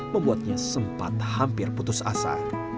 membuatnya sempat hampir putus asa